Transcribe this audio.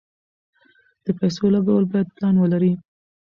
د پیسو لګول باید پلان ولري.